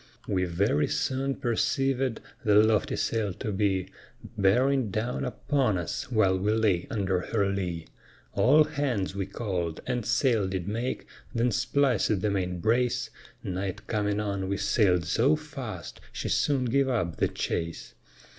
We very soon perceivèd the lofty sail to be Bearing down upon us while we lay under her lee; All hands we call'd, and sail did make, then splicèd the main brace, Night coming on, we sail'd so fast, she soon gave up the chase.